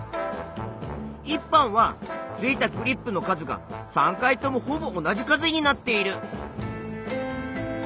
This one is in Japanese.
１班は付いたクリップの数が３回ともほぼ同じ数になっている。